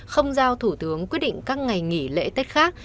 không giao thủ tướng quyết định các ngày nghỉ lễ tết khác